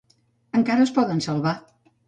Encara es poden salvar.